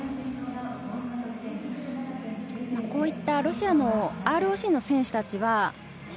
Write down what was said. こういったロシアのＲＯＣの選手たちは。